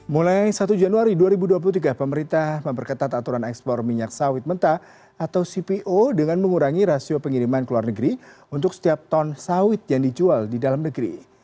mulai satu januari dua ribu dua puluh tiga pemerintah memperketat aturan ekspor minyak sawit mentah atau cpo dengan mengurangi rasio pengiriman ke luar negeri untuk setiap ton sawit yang dijual di dalam negeri